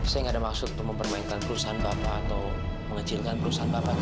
saya nggak ada maksud untuk mempermainkan perusahaan bapak atau mengecilkan perusahaan bapak